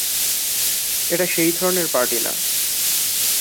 এটা সেই ধরনের পার্টি না।